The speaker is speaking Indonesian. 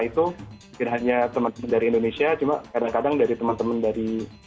jadi memang di acara itu tidak hanya teman teman dari indonesia cuma kadang kadang dari teman teman dari luar negara